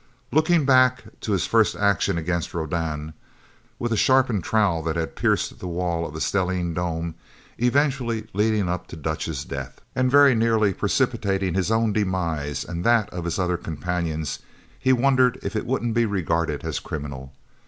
Looking back to his first action against Rodan with a sharpened trowel that had pierced the wall of a stellene dome eventually leading up to Dutch's death, and very nearly precipitating his own demise and that of his other companions, he wondered if it wouldn't be regarded as criminal.